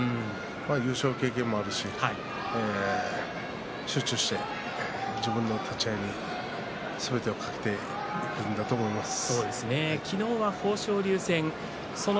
優勝経験もあるし集中して自分の立ち合いにすべてをかけて昨日は豊昇龍戦。